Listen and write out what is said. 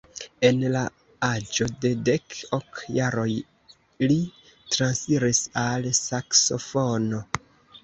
En la aĝo de dek ok jaroj li transiris al saksofono.